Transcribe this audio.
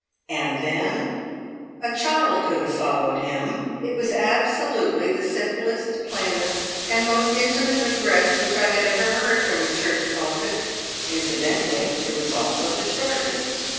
And then a child could have followed him! It was absolutely the simplest, plainest, and most intimate address which I had ever heard from a church pulpit. Incidentally, it was also the shortest!